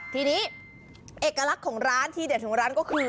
ทีนี้เอกลักษณ์ของร้านที่เด็ดของร้านก็คือ